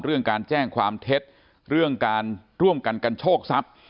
เรื่องการแจ้งความเท็จเรื่องการร่วมกันกันโชคทรัพย์